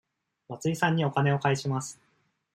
松井さんにお金を返します。